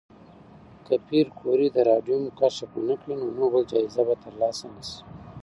که پېیر کوري د راډیوم کشف ونکړي، نو نوبل جایزه به ترلاسه نه شي.